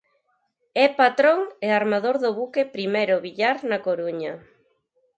É patrón e armador do buque "Primero Villar" na Coruña.